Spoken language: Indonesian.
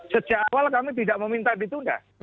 sejak awal kami tidak meminta ditunda